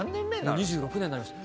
２６年になりました。